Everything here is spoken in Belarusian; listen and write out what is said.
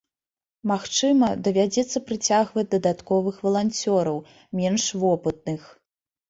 Магчыма, давядзецца прыцягваць дадатковых валанцёраў, менш вопытных.